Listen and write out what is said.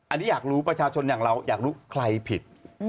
อันนี้อยากรู้ประชาชนอย่างเราอยากรู้ใครผิด